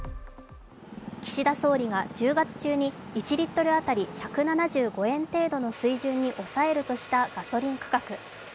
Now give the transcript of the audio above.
岸田総理が１０月中に１リットル当たり１７５円程度の水準に抑えるとしたガソリン価格